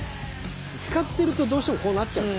使ってるとどうしてもこうなっちゃう。